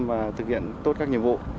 và thực hiện tốt các nhiệm vụ